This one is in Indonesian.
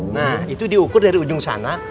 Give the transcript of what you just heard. nah itu diukur dari ujung sana